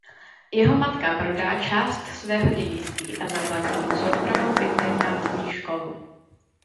Jeho matka prodá část svého dědictví a zaplatí mu soukromou internátní školu.